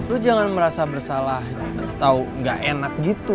lo jangan merasa bersalah atau gak enak gitu